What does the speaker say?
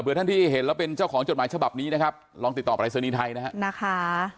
เพื่อท่านที่เห็นแล้วเป็นเจ้าของจดหมายฉบับนี้นะครับลองติดต่อปรายศนีย์ไทยนะฮะ